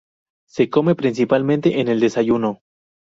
Se come principalmente en el desayuno.